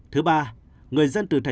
thứ ba người dân tp hcm